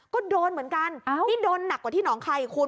ก็โดนเหมือนกันนี่โดนหนักกว่าที่หนองคายคุณ